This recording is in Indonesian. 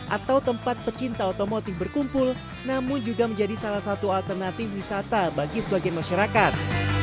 atau tempat pecinta otomotif berkumpul namun juga menjadi salah satu alternatif wisata bagi sebagian masyarakat